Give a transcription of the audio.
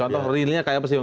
contohnya kayak apa sih